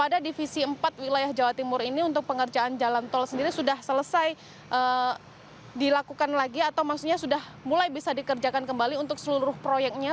divisi empat wilayah jawa timur ini untuk pengerjaan jalan tol sendiri sudah selesai dilakukan lagi atau maksudnya sudah mulai bisa dikerjakan kembali untuk seluruh proyeknya